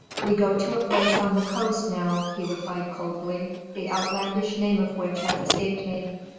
"We go to a place on the coast now," he replied coldly, "the outlandish name of which has escaped me.